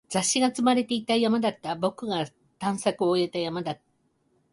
雑誌が積まれていた山だった。僕が探索を終えた山だ。